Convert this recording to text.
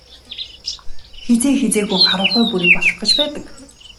Хэзээ хэзээгүй харанхуй бүрий болох гэж байдаг.